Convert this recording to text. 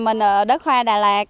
mình ở đất hoa đà lạt